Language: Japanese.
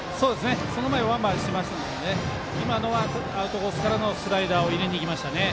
その前ワンバウンドしてますので今のはアウトコースからのスライダーを入れにきましたね。